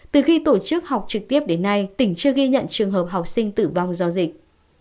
từ khi tổ chức học trực tiếp đến nay tỉnh chưa ghi nhận trường hợp học sinh tử vong do dịch